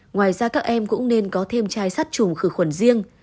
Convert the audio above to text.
ngoài ra các em cũng nên có thêm chai sắt chùm khử khuẩn riêng